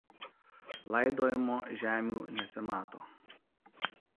Laidojimo žemių nesimato.